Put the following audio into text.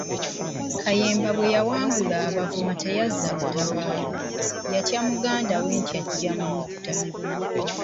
Kayemba bwe yawangula Abavuma teyazza lutabaalo, yatya muganda we nti ajja kumutta.